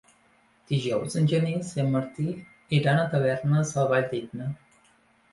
Dijous en Genís i en Martí iran a Tavernes de la Valldigna.